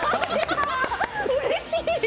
うれしい。